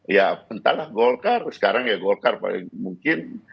ya entahlah golkar sekarang ya golkar paling mungkin